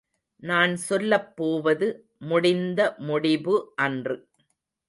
நான் சொல்லப்போவது முடிந்த முடிபு அன்று.